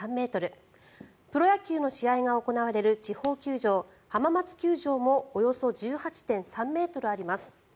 プロ野球の試合が行われる地方球場、浜松球場もおよそ１８．３ｍあります。